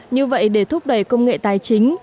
như vậy để thúc đẩy công nghệ tài chính